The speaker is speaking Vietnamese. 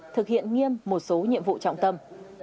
thực hiện nghiêm một số nhiệm vụ trọng tâm